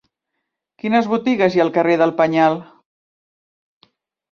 Quines botigues hi ha al carrer del Penyal?